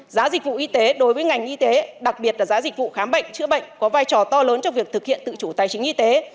giá dịch vụ y tế đối với ngành y tế đặc biệt là giá dịch vụ khám bệnh chữa bệnh có vai trò to lớn trong việc thực hiện tự chủ tài chính y tế